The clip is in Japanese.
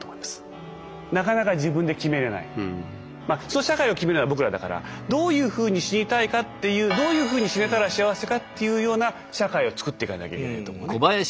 その社会を決めるのは僕らだからどういうふうに死にたいかっていうどういうふうに死ねたら幸せかっていうような社会をつくっていかなきゃいけないと思うね。